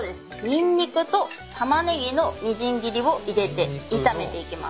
ニンニクとタマネギのみじん切りを入れて炒めていきます。